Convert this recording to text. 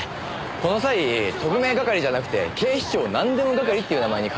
この際特命係じゃなくて警視庁なんでも係っていう名前に変えたらどうですか？